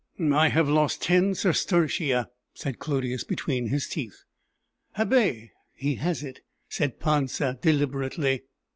"I have lost ten sestertia," said Clodius, between his teeth. "Habet!" (He has it) said Pansa deliberately.